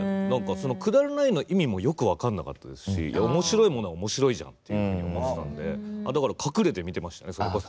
くだらないの意味もよく分かんなかったですしおもしろいものはおもしろいじゃんっていうふうに思ったんで、だから隠れて見てましたね、それこそ。